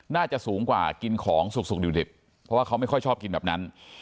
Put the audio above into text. น่าจะสูงกว่ากินของสุกดิบเพราะว่าเขาไม่ค่อยชอบกินแบบนั้น